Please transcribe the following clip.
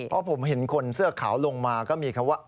เพราะผมเห็นคนเสื้อขาวลงมาก็มีคำว่า